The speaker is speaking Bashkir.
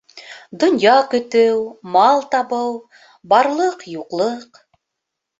Донъя көтөү, мал табыу, барлыҡ-юҡлыҡ